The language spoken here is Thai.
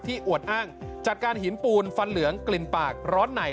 อวดอ้างจัดการหินปูนฟันเหลืองกลิ่นปากร้อนใน